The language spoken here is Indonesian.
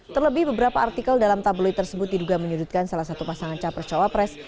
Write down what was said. terlebih beberapa artikel dalam tabloid tersebut diduga menyudutkan salah satu pasangan capres cawapres